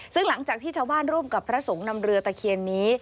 ซึ่งหลังจากที่ชาวบ้านร่วมกับพระสงฆ์นำเรือตะเคียนนี้